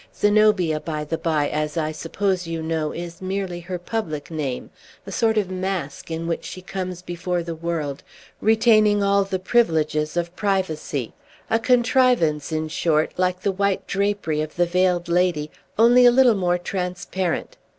Zenobia, by the bye, as I suppose you know, is merely her public name; a sort of mask in which she comes before the world, retaining all the privileges of privacy, a contrivance, in short, like the white drapery of the Veiled Lady, only a little more transparent.